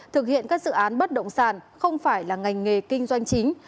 thực hiện các dự án bất động sản không phải là ngành nghề kinh doanh chính